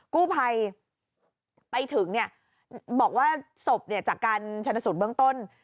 กู้ภัยไปถึงเนี่ยบอกว่าสบเนี่ยจากการชนสุดเบื้องต้น